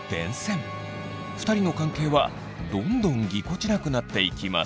２人の関係はどんどんぎこちなくなっていきます。